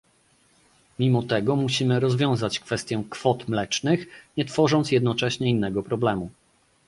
Mimo tego musimy rozwiązać kwestię kwot mlecznych, nie tworząc jednocześnie innego problemu